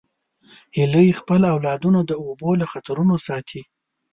هیلۍ خپل اولادونه د اوبو له خطرونو ساتي